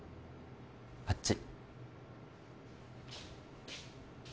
あっち